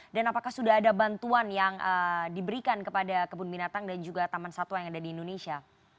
dan apakah sudah ada bantuan yang diberikan kepada kebun binatang dan juga taman satwa yang ada di indonesia